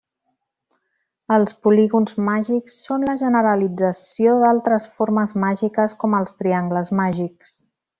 Els polígons màgics són la generalització d'altres formes màgiques com els triangles màgics.